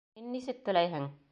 Һин нисек теләйһең?